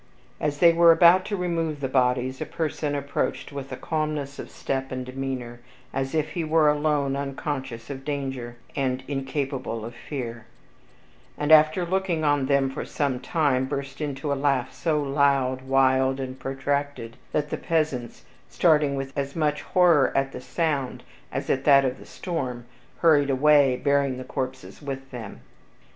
As they were about to remove the bodies, a person approached with a calmness of step and demeanor, as if he were alone unconscious of danger, and incapable of fear; and after looking on them for some time, burst into a laugh so loud, wild, and protracted, that the peasants, starting with as much horror at the sound as at that of the storm, hurried away, bearing the corpses with them.